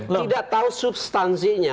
tidak tahu substansinya